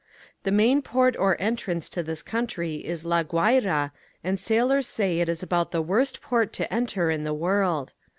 The main port or entrance to this country is La Guaira and sailors say it is about the worst port to enter in the world.